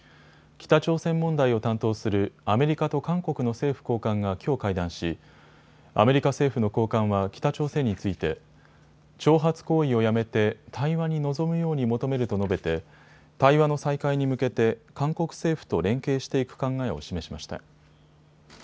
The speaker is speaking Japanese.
北朝鮮問題を担当するアメリカと韓国の政府高官がきょう会談しアメリカ政府の高官は北朝鮮について挑発行為をやめて対話に臨むように求めると述べて対話の再開に向けて韓国政府と連携していく考えを示しました。